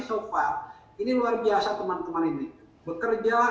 tapi ada profesor profesor yang juga sudah semua